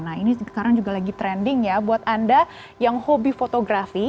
nah ini sekarang juga lagi trending ya buat anda yang hobi fotografi